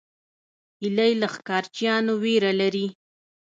هیلۍ له ښکار چیانو ویره لري